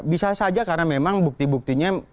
bisa saja karena memang bukti buktinya